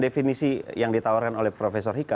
definisi yang ditawarkan oleh prof hika